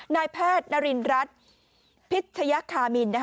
นายแพทย์นารินรัฐพิชยคามิน